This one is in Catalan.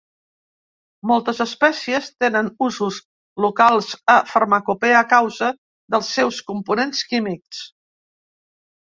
Moltes espècies tenen usos locals a farmacopea a causa dels seus components químics.